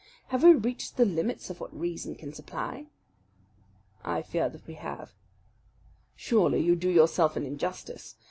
Have we reached the limits of what reason can supply?" "I fear that we have." "Surely you do yourself an injustice.